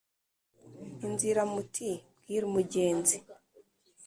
inzira mti bwira umugenzi.